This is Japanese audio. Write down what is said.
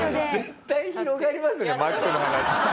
絶対広がりますよマックの話って。